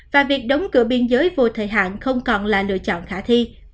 và việc đóng cửa biên giới vô thời hạn không còn là lựa chọn khả thi